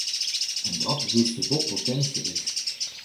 En dat wylst der wol potinsje is.